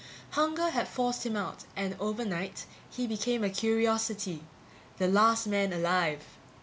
Hunger had forced him out and overnight he became a curiosity. The last man alive.